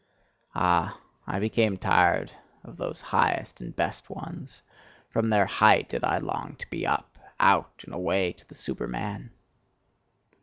Ah, I became tired of those highest and best ones: from their "height" did I long to be up, out, and away to the Superman!